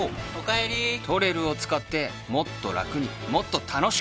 「ＴＯＲＥＲＵ」を使ってもっとラクにもっと楽しく